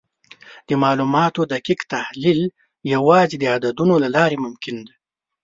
د معلوماتو دقیق تحلیل یوازې د عددونو له لارې ممکن دی.